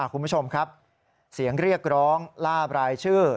คุณผู้ชมครับเสียงเรียกร้องล่าบรายชื่อ